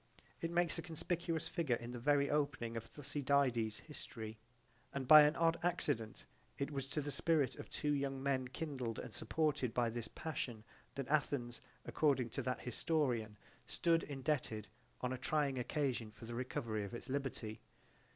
It makes a conspicuous figure in the very opening of Thucydides's history, and by an odd accident it was to the spirit of two young men kindled and supported by this passion that Athens according to that historian stood indebted on a trying occasion for the recovery of its liberty.